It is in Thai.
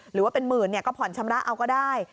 หรือว่ามีหมื่นที่างก็สามารถผ่านชำระก็ได้